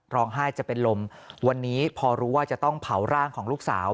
จะเป็นลมวันนี้พอรู้ว่าจะต้องเผาร่างของลูกสาว